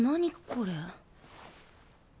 これ。